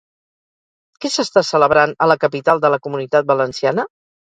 Què s'està celebrant a la capital de la Comunitat Valenciana?